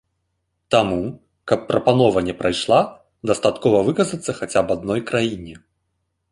Таму, каб прапанова не прайшла, дастаткова выказацца хаця б адной краіне.